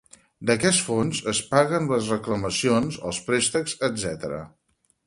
D'aquest fons es paguen les reclamacions, els préstecs, etc.